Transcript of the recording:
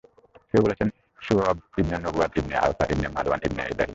কেউ বলেছেন, শুআয়ব ইবন নুওয়ায়ব ইবন আয়ফা ইবন মাদয়ান ইবন ইবরাহীম।